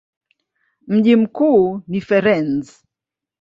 Mji mkuu ni Firenze.